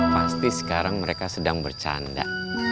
pasti sekarang mereka sedang bercanda